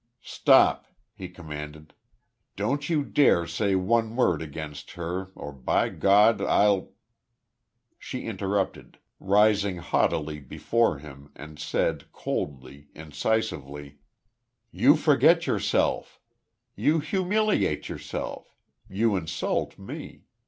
"Stop!" he commanded. "Don't you dare say one word against her, or by God, I'll " She interrupted, rising haughtily before him, and said coldly, incisively: "You forget yourself. You humiliate yourself. You insult me.